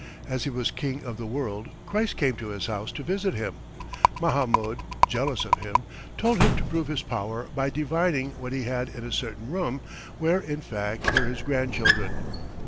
As he was king of the world, Christ came to his house to visit him. Mahamoud, jealous of him, told him to prove his power by 'divining' what he had in a certain room, where, in fact, were his grandchildren.